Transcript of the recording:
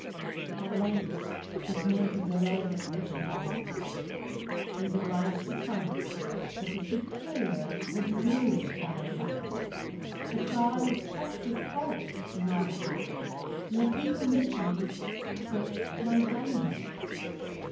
At length this man could delay his commission no longer. He was obliged to tell me that the Superior was moved by my sufferings, that God had touched his heart in my behalf, and that he permitted me to quit my dungeon.